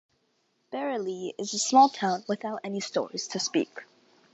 Berrilee is a small town, without any "stores", to speak.